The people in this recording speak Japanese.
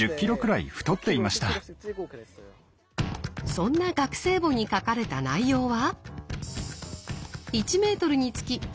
そんな学生簿に書かれた内容は？